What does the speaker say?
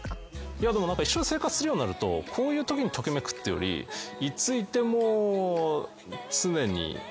いやでも一緒に生活するようになるとこういうときにときめくっていうよりいついても。